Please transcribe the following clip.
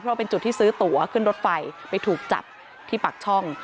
เพราะเป็นจุดที่ซื้อตัวขึ้นรถไฟไปถูกจับที่ปากช่อง